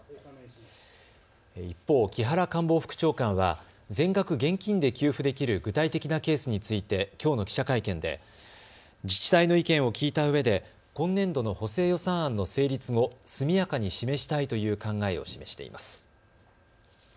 一方、木原官房副長官は全額現金で給付できる具体的なケースについてきょうの記者会見で自治体の意見を聞いたうえで今年度の補正予算案の成立後、速やかに示したいという考えを示しています。